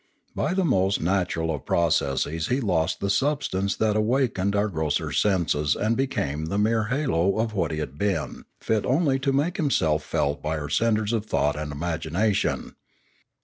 By the most natural of processes he lost the substance that awakened our grosser senses and became the mere halo of what he had been, fit only to make himself felt by our centres of thought and imagination.